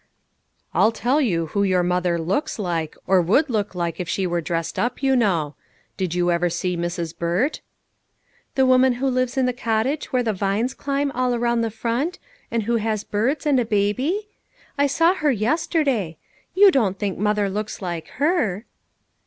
" I'll tell you who your mother looks like, or would look like if she were dressed up, you know. Did you ever see Mrs. Burt?" " The woman who lives in the cottage where the vines climb all around the front, and who has birds, arid a baby? I saw her yesterday. You don't think mother looks like her